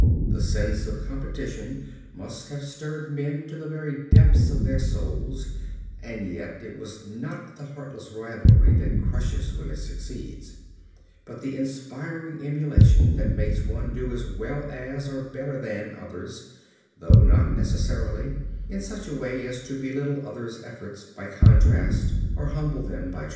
The sense of competition must have stirred men to the very depths of their souls and yet it was not the heartless rivalry that crushes when it succeeds, but the inspiring emulation that makes one do as well as or better than others, though not necessarily in such a way as to belittle others' efforts by contrast or humble them by triumph.